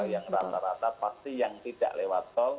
yang rata rata pasti yang tidak lewat tol